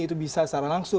itu bisa secara langsung